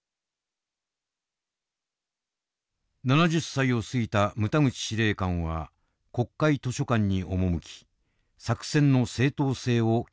７０歳を過ぎた牟田口司令官は国会図書館に赴き作戦の正当性を記録に残した。